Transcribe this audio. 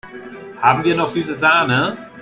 Haben wir noch süße Sahne?